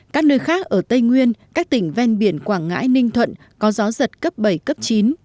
các nơi khác ở tây nguyên các tỉnh ven biển quảng ngãi ninh thuận có gió giật cấp bảy cấp chín